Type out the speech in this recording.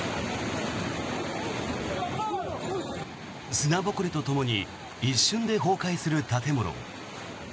砂ぼこりとともに一瞬で崩壊する建物。